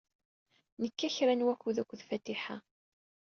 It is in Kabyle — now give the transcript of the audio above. Nekka kra n wakud akked Fatiḥa.